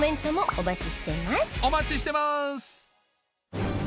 お待ちしてます！